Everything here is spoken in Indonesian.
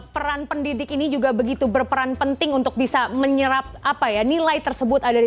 peran pendidik ini juga begitu berperan penting untuk bisa menyerap apa ya nilai tersebut ada di